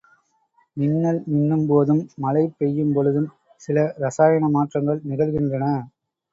மின்னல் மின்னும் போதும், மழை பெய்யும் பொழுதும், சில ரசாயன மாற்றங்கள் நிகழ்கின்றன.